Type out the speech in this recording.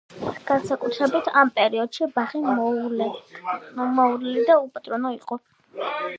განსაკუთრებით ამ პერიოდში ბაღი მოუვლელი და უპატრონო იყო.